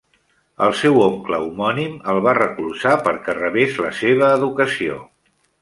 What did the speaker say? El seu oncle homònim el va recolzar perquè rebés la seva educació.